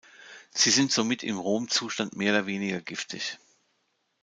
Sie sind somit im rohen Zustand mehr oder weniger giftig.